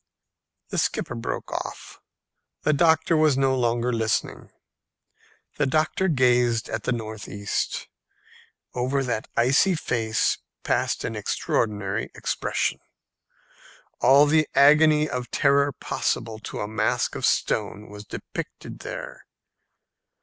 The skipper broke off; the doctor was no longer listening. The doctor gazed at the north east. Over that icy face passed an extraordinary expression. All the agony of terror possible to a mask of stone was depicted there.